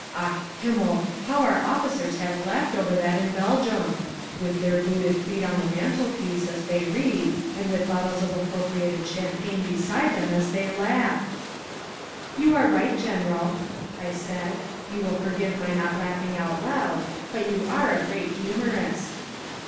Ach, Himmel, how our officers have laughed over that in Belgium! With their booted feet on the mantelpiece as they read and with bottles of appropriated champagne beside them as they laugh." "You are right, General," I said, "you will forgive my not laughing out loud, but you are a great humorist."